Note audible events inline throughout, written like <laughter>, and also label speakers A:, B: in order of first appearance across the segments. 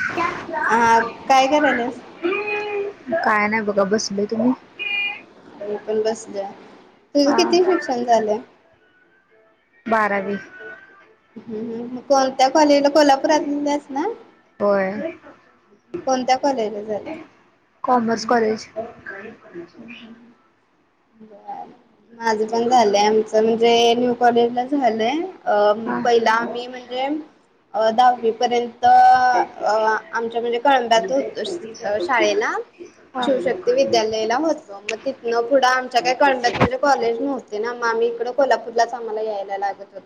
A: <unintelligible>
B: आ काय करायलायस
A: काय नाही बघा बसलोय तुम्ही?
B: मी पण बसलोया तुझं कितवी शिक्षण झालंय
A: बारावी
B: हम्म हम्म मग कोणत्या कॉलेजला कोल्हापुरातूनच ना?
A: होय
B: कोणत्या कॉलेजला झालाय
A: कॉमर्स कॉलेज <inaudible>
B: बरं माझं पण झालंय आमचं म्हणजे न्यू कॉलेजला झालंय अ
A: हा
B: पाहिलं मी म्हणजे अ दहावी पर्यंत अ आमच्या म्हणजे कळंब्यात होतो
A: <unintelligible>
B: ला होतो मग तितन पुढ आमच्या काय कळब्यांत कॉलेज नव्हते ना मग इकडे कोल्हापूरलाच आम्हाला यायला लागत होत.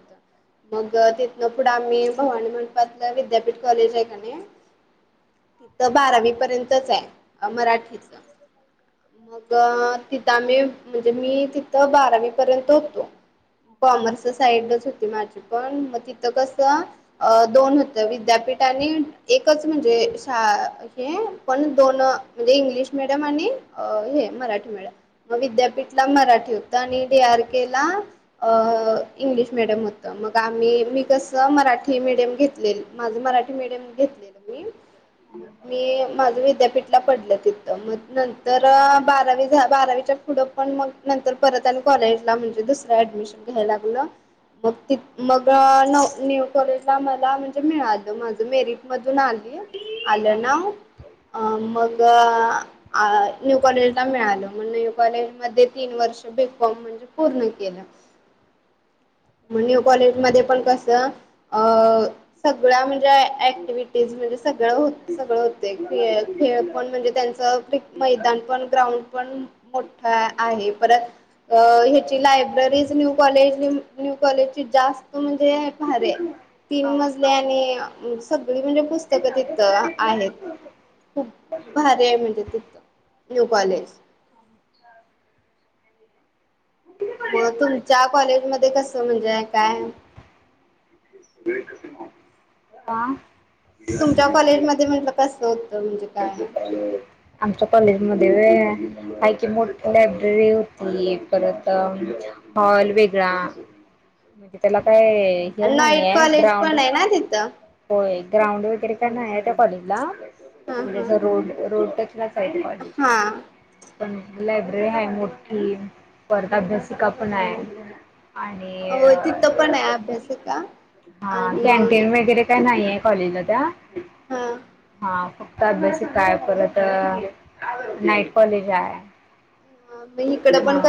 B: मग तिथनं पुढे आम्ही भवानी मंडपातल्या विद्यापीठ कॉलेज आहे कनी तिथं बारावी पर्यंतच आहे मराठीच मग तिथं आम्ही म्हणजे मी तिथं बारावी पर्यंत होतो. कॉमर्स साईडच होती माझी पण मग तिथं कसं दोन होत विद्यापीठ आणि एकच म्हणजे शाळा दोन इंग्लिश मिीडियम आणि विद्यापीठमराठी होत आणि डी आर केला. अं... इंग्लिश मिडियम होतं मग आम्ही मी कसं मराठी मिडीयम घेतलेली, माझं मराठी मिडियम घेतलेलं मी मग मी, माझं विद्यापीठला पडलं तिथं, मग नंतर तर बारावी झाली, बारावीच्या पुढं... पण मग, नंतर परत आणि कॉलेजला म्हणजे दुसर ऍडमिशन घ्याय लागलं मग तिथ मग हा न्यू कॉलेजला मला म्हणजे मिळालं माझं मेरिट मधून आली माझ मेरिट मधून आलं नाव मग न्यू कॉलेजला मिळालं मग न्यू कॉलेजमध्ये तीन वर्ष बीकॉम पूर्ण केलं म्हणजे न्यू कॉलेजमध्ये पण कसं ऍक्टिव्हटीज सगळं होत होतं. सगळा खेळ होता. ग्राउंड पण मोठे आहे. लायब्ररीज न्यू कॉलेज चीजास्त भारी आहे. सगळी पुस्तकं तिथं आहेत. खू प भारी आहे. न्यू कॉलेज
A: चा <unintelligible>
B: तुमच्या कॉलेजमध्येध्ये कसं काय
A: हा
B: तुमच्या कॉलेजमध्येध्ये कसं होतं.
A: आमच्या कॉलेज मध्ये. मोठी लायब्ररी होती. हॉल वेगळा. ग्राउंड
B: नाईट कॉलेज पण आहे ना तिथं
A: वगैरे नाही त्या कॉलेजला.
B: हा
A: रोडलाच आहे.
B: हा. हा
A: कॉलेज लायब्ररी मोठी आहे.
B: होय तिथं पण आहे अभ्यासिका आणि
A: कॅनटीन वगैरे नाही. कॉलेजला त्या
B: ह
A: फक्त अभ्यासिका आहे. नाईट कॉलेज आहे. हा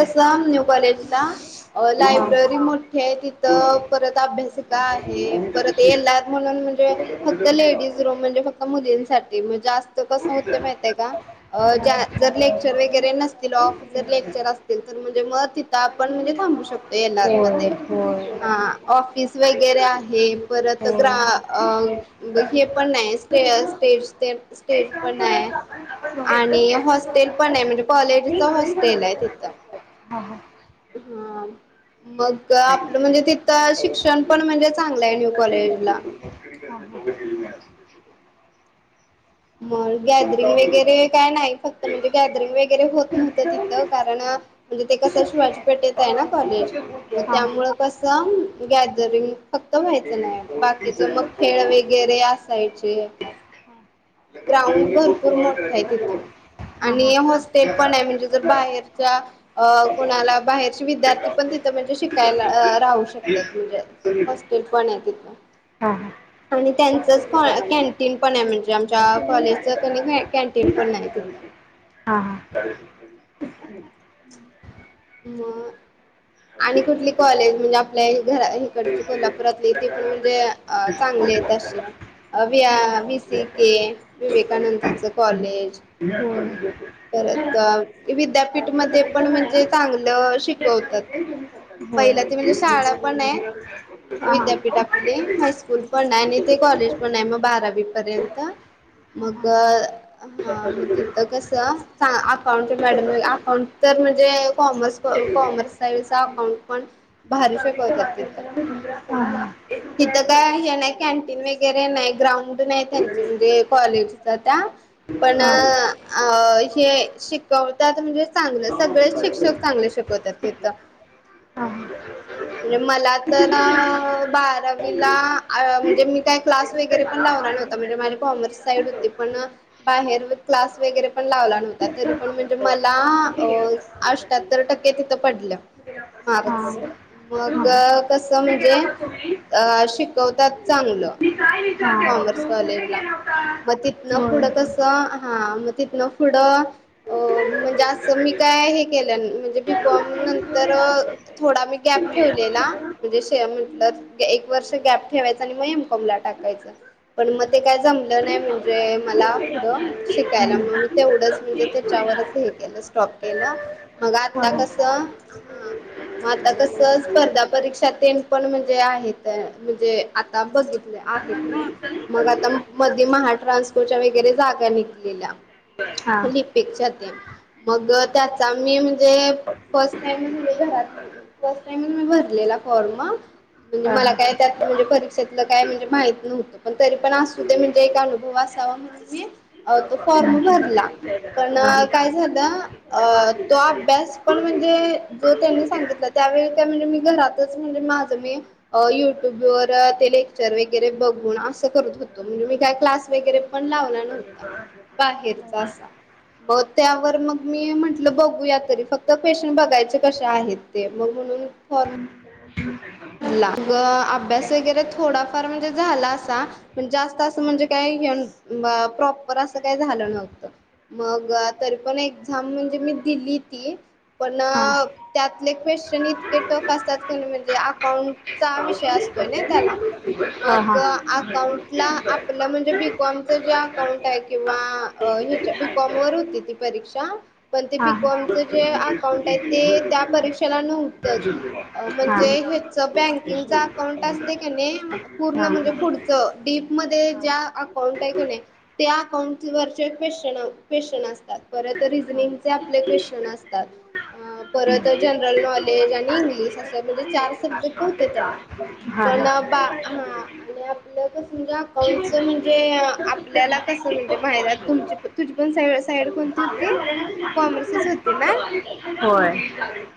B: न्यू कॉलेजला
A: हा
B: लायब्ररी मोठी आहे. अभ्यासिका आहे.
A: त्याच्याशी
B: फक्त लेडीज मुलींसाठी जास्त
A: गेला.
B: कार लेक्चर वरे न <unintelligible> ऑफ लेक्चर असतील आपण थांबू शकतो. एल आर
A: होय होय
B: मध्येऑफिस वगैरे आहे. ग्राउंड
A: होय.
B: नाही स्टेज नाही.
A: एक काम
B: हॉस्टेल
A: करूयात आपण
B: पण
A: आपण स्टेटस
B: आहे
A: कॅन्सल करू
B: तेज
A: टाकलात मी
B: नाही.
A: हा हा
B: हा
A: हा
B: तिथं शिक्षण पण म्हणजे चांगलं आहे न्यू कॉलेजला
A: <unintelligible>
B: म गॅदरिंग वगैरे काय नाही फक्त म्हणजे गॅदरिंग वगैरे होत नव्हतं तिथं कारण म्हणजे ते कसं शिवाजी पेठ येत आहे ना कॉलेज मग
A: हा. हा हा.
B: त्यामुळ कसं गॅदरिंग फक्त व्हायचं नाही बाकीच मग खेळ वगैरे असायचे ग्राउंड भरपूर मोठा आहे तिथं आणि हॉस्टेल पण आहे म्हणजे जर बाहेरच्या अ कोणाला बाहेरचे विद्यार्थी पण
A: काम
B: त म्हणजे शिकायला राहू शकतात, म्हणजे
A: तीस
B: हॉस्टेल पण आहे तिथं,
A: हा हा.
B: आणि त्यानचचं फ-कॅनटीन पण आहे म्हणजे आमच्या
A: तुम्ही
B: कॉलेजचं
A: साडेसतराला
B: कनयं,
A: द्या
B: कॅन्टीन
A: मी
B: पण नाही
A: साडेसतराला
B: तिथं.
A: देते. हा हा, चालेल.
B: म आणि कुठली कॉलेज म्हणजे आपल्या घरा इकडची कोल्हापुरातली तेे पण म्हणजे अ चांगले आहेत त अस अ वीसी के विवेकानंदच कॉलेज
A: मड व
B: परत विद्यापीठमध्ये पण म्हणजे चांगलं शिकवतात
A: होय.
B: पहिला ते म्हणजे शाळा पण आहे, विद्यापीठ आपली हायस्कूल पण आणि ते कॉलेज पण आहे, मग बारावी पर्यंत. मग
A: हा
B: हा, मग तिथं कसं? अकाउंट मॅडम अकाउंट तर म्हणजे कॉमर्स कॉमर्स साईडचा
A: हा.
B: अकाउंट, पण भारी शिकवत्यात तिथं.
A: <unintelligible> हा हा.
B: तिथं काय हे नाही कॅन्टीन वगैरे नाही, ग्राउंड नाही त्यांचं म्हणजे कॉलेज त्या पण अ हे शि शिकवत्यात म्हणजे चांगलं सगळेच शिक्षक चांगले शिकवतात तिथं.
A: मला
B: म्हणजे मला तर बारावीला म्हणजे, मी काय क्लास वगैरे पण लावला
A: बाहेर तू
B: नव्हता. म्हणजे माझी कॉमर्स
A: गेला
B: साईड
A: कुठं
B: होती, पण
A: कुठलं
B: बाहेरचं क्लास वगैरे पण लावला नव्हता. तरी पण
A: काम
B: म्हणजे
A: होतं
B: मला
A: कुठे
B: अ
A: गेलं प्रसानासाठी
B: अश्ट्याहत्तर टक्के तिथं पडलं.
A: कुठे गेला प्रसाद
B: मारच. मग
A: बघू
B: कसं
A: कुठे
B: म्हणजे
A: गेला होता तुम्ही
B: अ शिकवतात चांगलं.
A: मी काय? विचारते बघू
B: कॉमर्स
A: कुठे
B: कॉलेज ला,
A: गेला होता
B: म तिथनं
A: होय
B: पुढं कसं? हा मग तिथनं पुढं अ म्हणजे असं मी काय हे केलं नाही म्हणजे बी कॉम नंतर थोडा मी गॅप ठेवलेला म्हणजे शीये म्हंटलंत. एक वर्ष गॅप ठेवायचा आणि म एम. कॉम. ला टाक कायच पण मग ते काय जमल नाही म्हणजे मला पुढ शिकायला म तेवढच म्हणजे
A: मिळणार
B: तेच्यावरच हे केलं स्टॉप केलं. मग आता
A: हा
B: कस आता कस? स्पर्धा परीक्षा तेन पण म्हणजे आहेत म्हणजे आता ता बघितले आहेत ना,
A: हा हा हा
B: मग आता मध्ये महाट्रान्सपोटच्या वगैरे जागा निघलेल्या
A: हा हा हा
B: <unintelligible> मग त्याचा मी म्हणे फर्स्ट टाईम म्हणजे घरात फर्स्ट टाईमच मी
A: हा
B: भरलेला फॉर्म म्हणजे मला काय त्यात म्हणजे परीक्षेतलं काय म्हणजे माहित नव्हत पण, तरी पण असु दे म्हणजे एक अनुभव असावा म्हणून मी तो फॉर्म भरला. पण काय झालं, तो अभ्यास पण म्हणजे जो त्यांनी सांगितला त्यावेळी काय म्हणजे मी घरातच म्हणजे माझं मी अ युट्यूब वर ते लेक्चर वगैरे बघु न अस करत होतो म्हणजे मी काय क्लास वगैरे, पण लावला नव्हता बाहेरचा असा. ब त्यावर मग मी म्हंटलं, बघूया तरी फक्त क्वेशन बघायचे कसे आहेत. ते म्हनुन मग फॉर्म
A: <unintelligible>
B: ला ग अभ्यास वगैरे थोडाफार म्हणजे झाला असा. पण जास्त असं म्हणजे काय, हे नव्हतं प्रॉपर असं काय झालं नव्हतं. मग, तरी पण एक्झाम म्हणजे मी दिली ती. पण त्यातले क्वेशन इतके टफ असतात, कनय म्हणजे आप आपला विषय असतोय नाही, त्याला
A: हा
B: मग अकाउंट ला आपल म्हणजे बिकाँम चे अकाउंट आहे, किंवा अ हेच्या बीकॉम वर होती ती परीक्षा. पण ते बीकॉमच जे अकाउंट आहे, ते त्या परीक्षेला नव्हतचं म्हणजे हेच बकिंग अकाउंट अस नाही पूर्ण म्हणजे पुढच डीप म
A: हा
B: ज अकाउंट आहे क नाही त्या अकाउंट वरचे क्वेन प्वेशचन असतात परत
A: हा
B: रिजनिंगचे आपले क्वेश्चन असतात परत जनरल नॉलेज आणि इंग्लिश असं म्हणजे चार तस होत त्याला, पण बा हा आणि आपल कसं म्हणजे अकाउंट चं म्हणजे आपल्याला कसं म्हणजे माहित हाय, तुम
A: हा.
B: -तुझी पण साईड साड कोणती हो कॉमर्सच
A: होय.
B: होते ना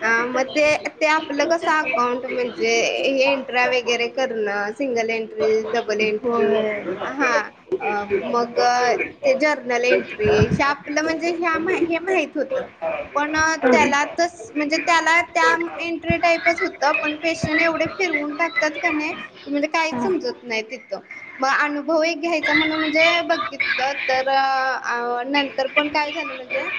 B: ह मग ते ते आपलं कसं अकाउंट म्हणजे एंट्रा वगैरे करणं सिंगल एंट्री डबल एंट्री हा अ मग ते जर्नल एंट्री ह्या आपलं म्हणजे ह्या मा हे माहित होत पण
A: होय.
B: त्याला त म्हणजे त्याला त्या
A: होय
B: एंट्री टाईपच होतं पण क्वेश्चन एवढे फिरवून टाकतात का नाही म्हणजे काहीच समजत नाही तिथं मग अनुभव एक घ्यायचा म्हण म्ह े बघितलं तर नंतर पण काय झालं म्हणजे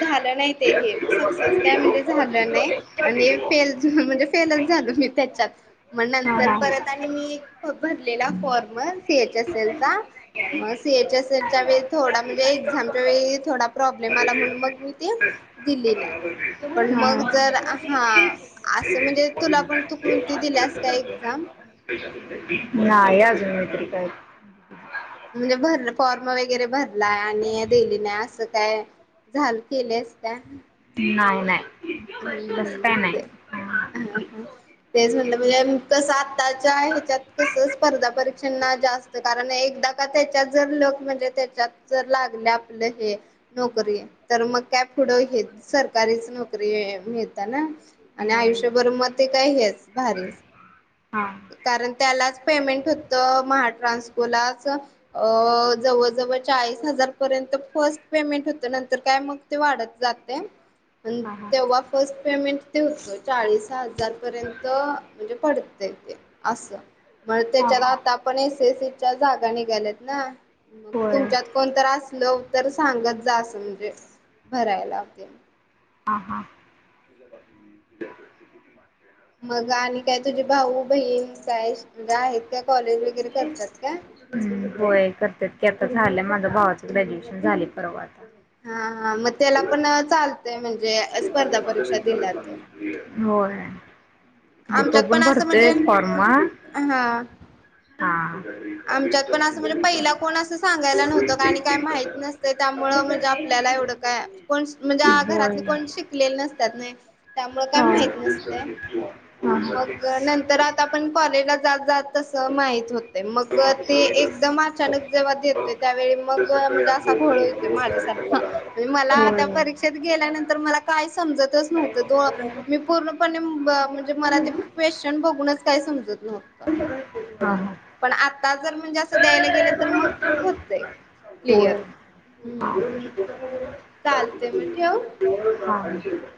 B: झालं नाही ते
A: हा हा
B: हे सक्सेस काय
A: हा
B: म्हणजे झालं नाही आणि फेल म्हणजे झाल मी त्याच्यात मग नंतर परत आणि मी भरलेला फॉर्मर सीएच एस एल चा मग सीएच एस एल च्या वेळी थोडा म्हणजे एक्झामच्या वेळी थोडा प्रॉब्लेम आला म्हणून मग मी ते दिली नाही पण मग जर हा अस म्हणजे तुला पण तुकून ती दिल्यास का एक्झाम
A: नाही अजूनत काय
B: म्हणजे भर फॉर्म वगैरे भरलाय आणि दिली नाही असं काय झाल केले असत
A: नाही नाही तसं
B: हम्
A: काय
B: ते
A: नाही हा.
B: ह हा तेच म्हणलं म्हणजे कस आताच्या ह्याच्यात कसं स्पर्धा परीक्षांना जास्त कारण एकदा का त्याच्यात जर लोक म्हणजे त्याच्यात जर लागले आपलं हे नोकरी
A: होय
B: तर मग काय पुढं घ सरकारीच नोकरी नक मिळता ना आणि
A: होय
B: आयुष्यभर म ते काही आहेच भारी
A: हा
B: कारण त्यालाच पेमेंट होतं महाट्रान्सकोलाच अ जवळजवळ चाळीस हजार पर्यंत फर्स्ट पेमेंट होतं नंतर काय मग ते वाढत जाते आणि
A: हा हा हा
B: तेव्हा फर्स्ट पेमेंट ते होतं चाळीस हजारपर्यंत म्हणजे पडत अस मण त्याच्याला
A: हा
B: आता आपण एसी एसीच्या जागाने गेलेत ना मग
A: होय
B: तुमच्यात कोणत असल तर सांगत जा असं म्हणजे भरायलाते
A: हा हा
B: मग आणि काय तुझी भाऊ बहीण काय तुझ्या आहेत का कॉलेज वगैरे करतात का
A: होय करत की आता झालंय माझं भावाचं ग्रॅज्युएशन झाले परवाता
B: हा हा मग त्याला पण चालतय म्हणजे स्पर्धा परीक्षा दिल्या तर
A: हो
B: आमच्यात पण असं म्हणजे
A: हा
B: हा
A: होय
B: आमच्यात पण असं म्हणजे पहिला कोण असं सांगायला नव्हतं का आणि काय माहित नसत त्यामुळ म्हणजे आपल्याला एवढं कायण म्हणजे घरातले कोण शिकलेले नसतात नाही त्यामुळे काय माहत नसते मग नंतर आता आपण कॉलेजला जात जात तस माहित होते मग
A: हा
B: ते
A: हा
B: एकदम अचानक जेव्हा देतोय त्यावेळी
A: उद्या
B: मग
A: सकाळी
B: म्हणजे असा
A: आम्ही
B: घोळ
A: दोघंही
B: होतोय
A: बरोबर तयारी करायला
B: माझ्यासारखा
A: जाणार आहोत.
B: मला त्या
A: होय
B: परी क्षेत गेल्यानंतर मला काय समजतच नव्हतं मी पूर्णपणे म्हणजे मला ते क्वेश्चन बघूनच काय समजतलं होतं
A: हा ह
B: पण आता जर म्हणजे असं द्यायला गेलं तर मग ख होतय क्लिअर
A: होय
B: ह
A: का